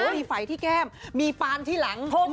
มีไฟที่แก้มมีปานที่หลัง